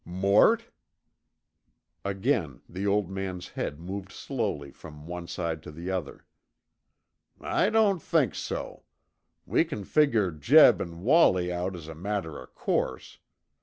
"Mort?" Again the old man's head moved slowly from one side to the other. "I don't think so. We c'n figger Jeb an' Wallie out as a matter o' course.